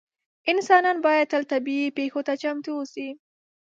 انسانان باید تل طبیعي پېښو ته چمتو اووسي.